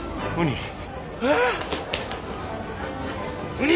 ウニ！